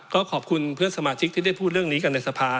ก็ขอบคุณเพื่อนสมาชิกที่ได้พูดเรื่องนี้กันในสภา